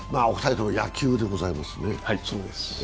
お二人とも野球でございますね。